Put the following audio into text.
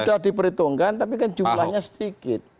sudah diperhitungkan tapi kan jumlahnya sedikit